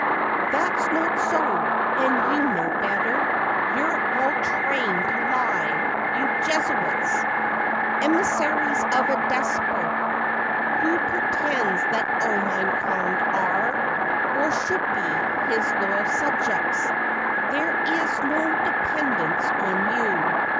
127 "That's not so, and you know better; You're all trained to lie, you Jesuits— Emissaries of a despot Who pretends that all mankind are, Or should be, his loyal subjects ; There is no dependence on you.